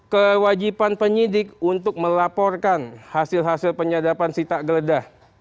kewajiban penyidik untuk melaporkan hasil hasil penyadapan sitak geledah